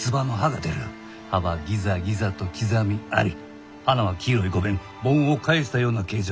葉はギザギザと刻みあり花は黄色い５弁盆を返したような形状。